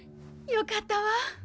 よかったわ。